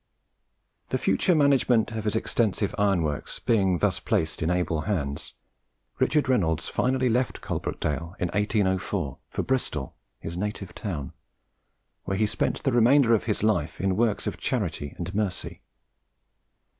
The future management of his extensive ironworks being thus placed in able hands, Richard Reynolds finally left Coalbrookdale in 1804, for Bristol, his native town, where he spent the remainder of his life in works of charity and mercy.